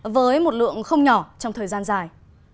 với một lượng không nhỏ trong thời gian dài